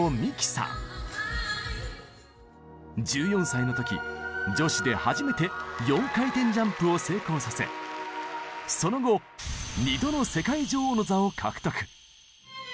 １４歳の時女子で初めて４回転ジャンプを成功させその後２度の世界女王の座を獲得！